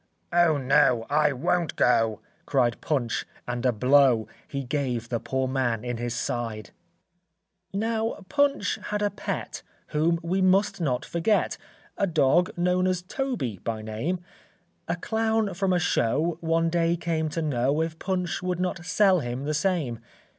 "Oh no, I won't go," Cried Punch, and a blow He gave the poor man in his side. [Illustration: PUNCH, TOBY, AND THE CLOWN.] Now Punch had a pet Whom we must not forget, A dog known as Toby by name; A clown from a show One day came to know If Punch would not sell him the same.